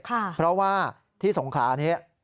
เพราะว่าที่สงขลานี้